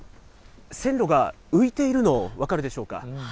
線路が浮いているの、分かるでしょうか。